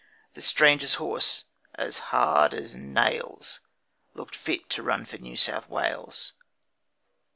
The stranger's horse, as hard as nails, Look'd fit to run for New South Wales.